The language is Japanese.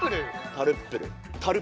タルップル。